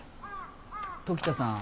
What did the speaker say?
時田さん